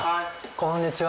こんにちは。